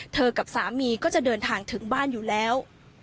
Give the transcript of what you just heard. กับสามีก็จะเดินทางถึงบ้านอยู่แล้ว